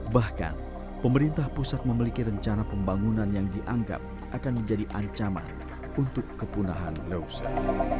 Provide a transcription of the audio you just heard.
bahkan pemerintah pusat memiliki rencana pembangunan yang dianggap akan menjadi ancaman untuk kepunahan leuser